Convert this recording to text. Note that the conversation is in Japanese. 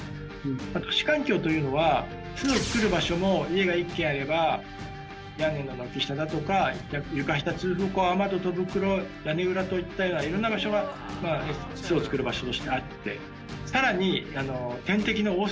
都市環境というのは巣を作る場所の家が１軒あれば屋根の軒下だとか床下通風口雨戸戸袋屋根裏といったような色んな場所が巣を作る場所としてあって。